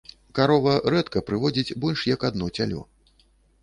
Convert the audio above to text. Карова рэдка прыводзіць больш як адно цялё.